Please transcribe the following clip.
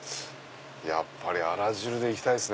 やっぱりあら汁でいきたいです。